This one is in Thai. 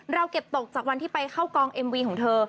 เราเก็บตกจากวันที่ไปเข้ากองเอ็มวีของเธอ